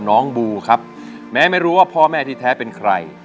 บูครับแม้ไม่รู้ว่าพ่อแม่ที่แท้เป็นใคร